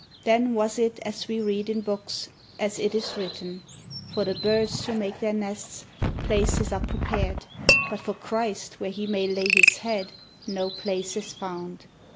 Then was it as we read in books as it is written: "For the birds to make their nests, places are prepared, But for Christ where he may lay his head no place is found."